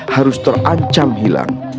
harus terancam hilang